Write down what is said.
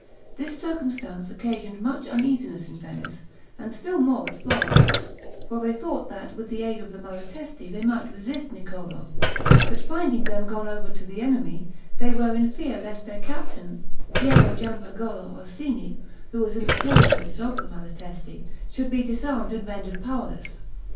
This circumstance occasioned much uneasiness in Venice, and still more at Florence; for they thought that with the aid of the Malatesti they might resist Niccolo; but finding them gone over to the enemy, they were in fear lest their captain, Piero Giampagolo Orsini, who was in the territories of the Malatesti, should be disarmed and rendered powerless.